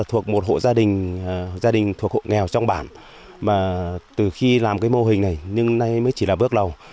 hộ gia đình thuộc hộ nghèo trong bản từ khi làm mô hình này nay mới chỉ là bước đầu